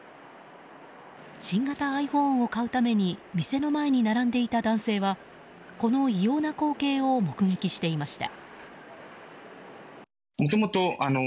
新型ｉＰｈｏｎｅを買うために店の前に並んでいた男性はこの異様な光景を目撃していました。